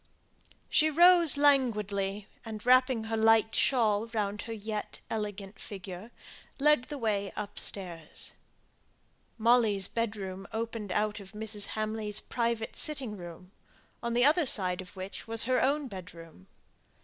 She rose languidly, and wrapping her light shawl round her yet elegant figure, led the way upstairs. Molly's bedroom opened out of Mrs. Hamley's private sitting room; on the other side of which was her own bedroom.